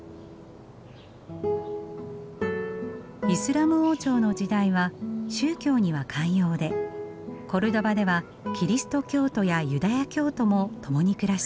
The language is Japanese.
イスラム王朝の時代は宗教には寛容でコルドバではキリスト教徒やユダヤ教徒も共に暮らしていました。